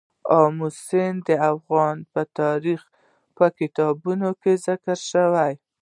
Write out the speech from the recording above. آمو سیند د افغان تاریخ په کتابونو کې ذکر شوی دي.